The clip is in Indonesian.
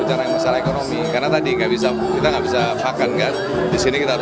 cara yang masalah ekonomi karena tadi nggak bisa kita nggak bisa paham kan di sini kita